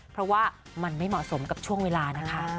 เพราะว่ามันไม่เหมาะสมกับช่วงเวลานะคะ